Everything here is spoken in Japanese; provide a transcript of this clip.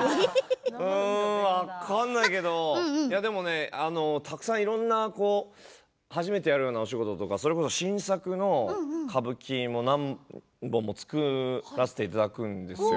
分からないけど、でもねたくさんいろんな初めてやるようなお仕事とか新作の歌舞伎も何本も作らせていただくんですよ。